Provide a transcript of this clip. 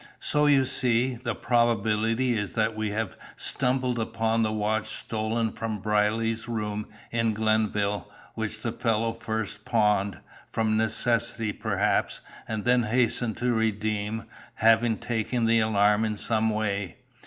So, you see, the probability is that we have stumbled upon the watch stolen from Brierly's room in Glenville, which the fellow first pawned, from necessity perhaps, and then hastened to redeem, having taken the alarm in some way.